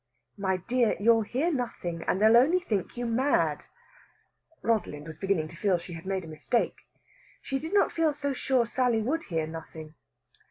"My dear, you'll hear nothing, and they'll only think you mad." Rosalind was beginning to feel that she had made a mistake. She did not feel so sure Sally would hear nothing.